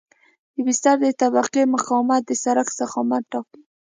د بستر د طبقې مقاومت د سرک ضخامت ټاکي